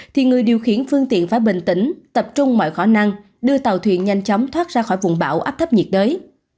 thì người điều khiển phương tiện phải bình tĩnh tập trung mọi khả năng đưa tàu thuyền nhanh chóng thoát ra khỏi vùng bão áp thấp nhiệt đới